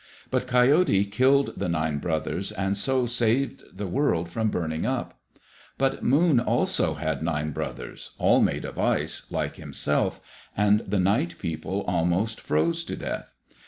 But Coyote killed the nine brothers and so saved the world from burning up. But Moon also had nine brothers all made of ice, like himself, and the Night People almost froze to death.